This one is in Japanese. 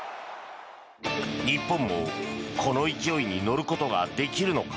日本もこの勢いに乗ることができるのか。